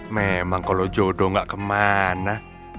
memang kalau jodoh gak kemana